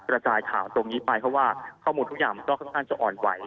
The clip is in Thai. กระจายข่าวตรงนี้ไปเพราะว่าข้อมูลทุกอย่างก็ค่อนข้างจะอ่อนไหว